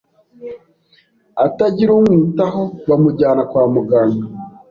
atagira umwitaho bamujyana kwa muganga